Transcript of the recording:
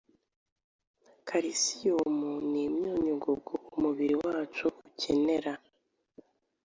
Kalisiyumu ni imyunyungugu umubiri wacu ukenera